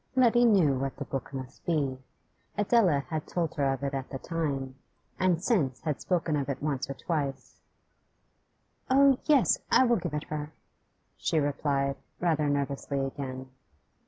Letty knew what the book must be. Adela had told her of it at the time, and since had spoken of it once or twice. 'Oh, yes, I will give it her,' she replied, rather nervously again.